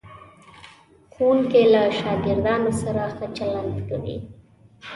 ښوونکی له شاګردانو سره ښه چلند کوي.